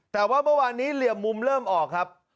ใช่แต่ว่าวันนี้เหลี่ยมมุมเริ่มออกครับ